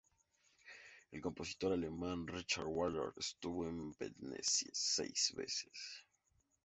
El compositor alemán Richard Wagner, estuvo en Venecia seis veces.